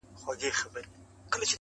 لس پنځلس ورځي وروسته وه جشنونه .!